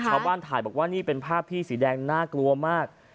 ชาวบ้านถ่ายบอกว่านี่เป็นภาพพี่สีแดงน่ากลัวมาก